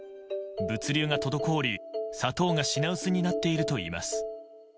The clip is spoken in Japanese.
物流が滞り、砂糖が品薄になっているといいます。